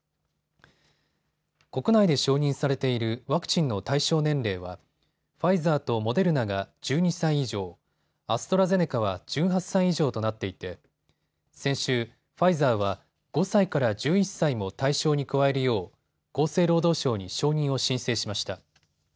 国内で承認されているワクチンの対象年齢はファイザーとモデルナが１２歳以上、アストラゼネカは１８歳以上となっていて先週、ファイザーは５歳から１１歳も対象に加えるよう厚生労働省に承認を申請しました。